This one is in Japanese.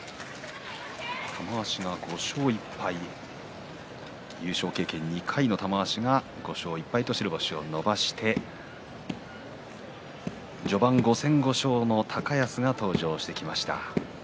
玉鷲が５勝１敗、優勝経験２回の玉鷲が５勝１敗と白星を伸ばして序盤５戦５勝の高安が登場してきました。